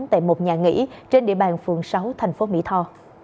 tại một nhà nghỉ trên địa bàn phường sáu thành phố mỹ tho